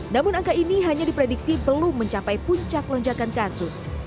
namun angka ini hanya diprediksi belum mencapai puncak lonjakan kasus